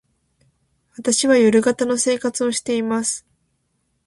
私は夜型の生活をしています。